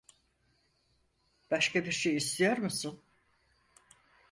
Başka bir şey istiyor musun?